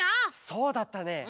そうだったね。